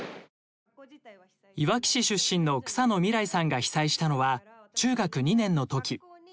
いわき市出身の草野みらいさんが被災したのは中学２年のとき。